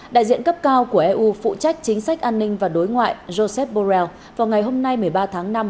đại diện cấp cao của eu phụ trách chính sách an ninh và đối ngoại joseph borrell vào ngày hôm nay một mươi ba tháng năm